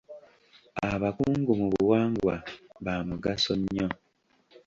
Abakungu mu buwangwa ba mugaso nnyo.